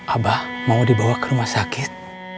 abah mau dibawa ke rumah sakit